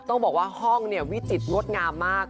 ต้องบอกว่าห้องเนี่ยวิจิตรงดงามมาก